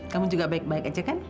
kamu juga baik baik aja kan